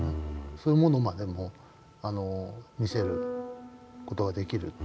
そういうものまでも見せる事ができる。